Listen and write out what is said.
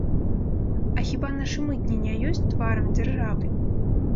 А хіба нашы мытні не ёсць тварам дзяржавы?!